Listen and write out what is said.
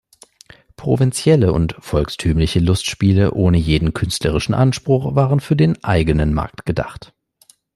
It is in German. Provinzielle und volkstümliche Lustspiele ohne jeden künstlerischen Anspruch waren für den eigenen Markt gedacht.